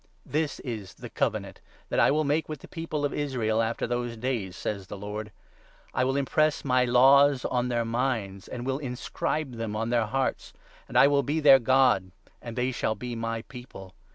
" This is the Covenant that I will make with the People of Israel 10 After those days," says the Lord. " I will impress my laws on their minds, And will inscribe them on their hearts ; And I will be their God, And they shall be my People.